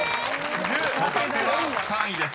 ［「ホタテ」は３位です。